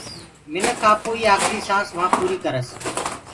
مَکيٚ آپوئيٚ آکريٚ سآنٚس وهآنٚ پوريٚ ڪرس